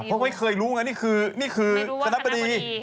เพราะเขาไม่เคยรู้นะนี่คือคณะบดี